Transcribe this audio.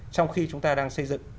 trong khi chúng ta đang xây dựng